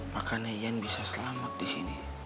makanya yen bisa selamat di sini